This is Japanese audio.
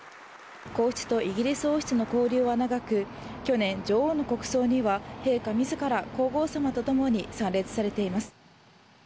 皇嗣とイギリス王室の交流は長く去年、女王の国葬には陛下自ら皇后さまとともに参列されています。